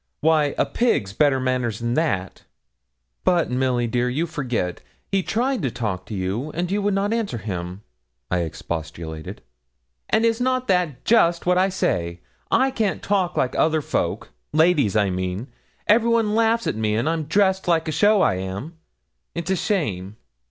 Why, a pig's better manners than that.' 'But, Milly dear, you forget, he tried to talk to you, and you would not answer him,' I expostulated. 'And is not that just what I say I can't talk like other folk ladies, I mean. Every one laughs at me; an' I'm dressed like a show, I am. It's a shame!